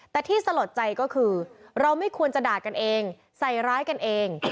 แต่ที่สลดใจก็คือเราไม่ควรจะด่ากันเองใส่ร้ายกันเอง